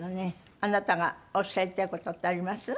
あなたがおっしゃりたい事ってあります？